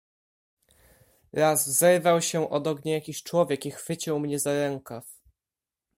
"Raz zerwał się od ognia jakiś człowiek i chwycił mnie za rękaw."